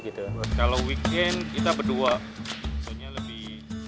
kalau weekend kita berdua maksudnya lebih